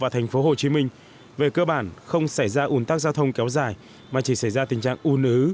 thành phố hồ chí minh về cơ bản không xảy ra ủn tắc giao thông kéo dài mà chỉ xảy ra tình trạng u nứ